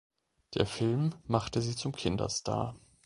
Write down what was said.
Der Film machte sie zum Kinderstar.